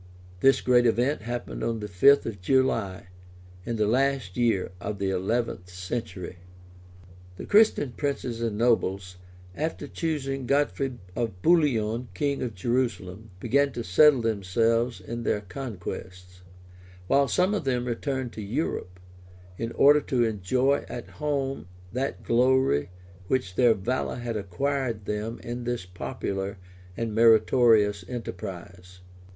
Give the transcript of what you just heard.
This great event happened on the fifth of July in the last year of the eleventh century. The Christian princes and nobles, after choosing Godfrey of Bouillon king of Jerusalem, began to settle themselves in their new conquests; while some of them returned to Europe, in order to enjoy at home that glory which their valor had acquired them in this popular and meritorious enterprise.